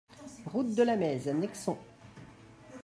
Route de la Meyze, Nexon